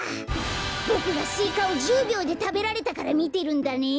ボクがスイカを１０びょうでたべられたからみてるんだね？